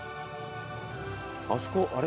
あそこあれ？